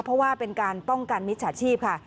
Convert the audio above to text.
เพราะว่าเป็นการป้องกันมิจฉาชีพค่ะ